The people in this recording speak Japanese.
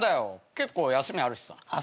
結構休みあるしさ。